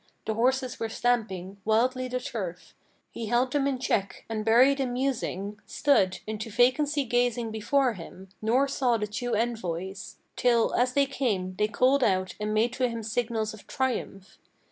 The horses were stamping Wildly the turf; he held them in check, and, buried in musing, Stood, into vacancy gazing before him; nor saw the two envoys, Till, as they came, they called out and made to him signals of triumph.